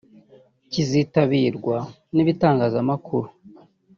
kizitabirwa n’ibitangazamakuru